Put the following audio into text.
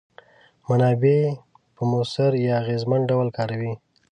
منابع په موثر یا اغیزمن ډول کاروي.